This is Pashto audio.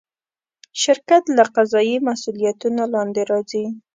شرکت له قضایي مسوولیتونو لاندې راځي.